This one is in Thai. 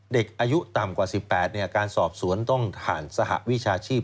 เด็กอายุต่ำกว่า๑๘การสอบสวนต้องผ่านสหวิชาชีพ